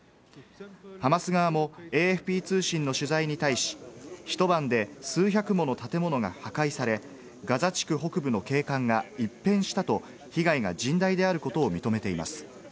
ハマス側もＡＦＰ通信の取材に対し、一晩で数百もの建物が破壊され、ガザ地区北部の景観が一変したと被害が甚大であることを認めています。